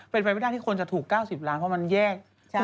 เป็นไปไม่ได้ที่คนจะถูก๙๐ล้านเพราะมันแยก